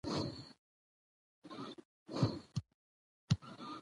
سهار پاکه هوا د انسان ذهن تازه کوي